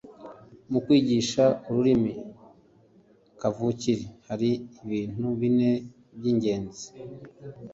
Mu kwigisha ururimi kavukire hari ibintu bine by'ingenzi